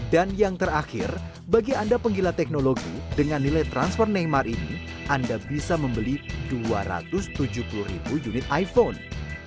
dan yang terakhir bagi anda penggila teknologi dengan nilai transfer neymar ini anda bisa membeli dua ratus tujuh puluh ribu unit iphone